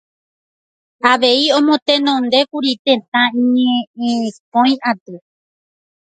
Avei omotenondékuri Tetã Ñe'ẽkõi Aty